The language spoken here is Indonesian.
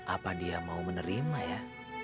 apa dia mau menerima ya